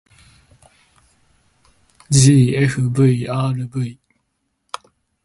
ｇｆｖｒｖ